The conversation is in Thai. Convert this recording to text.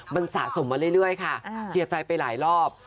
มันสะสมมาเรื่อยค่ะเคลียร์ใจไปหลายรอบ